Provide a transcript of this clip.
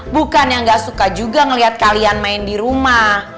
bukannya gak suka juga ngeliat kalian main di rumah